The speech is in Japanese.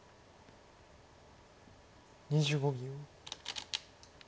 ２５秒。